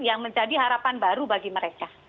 yang menjadi harapan baru bagi mereka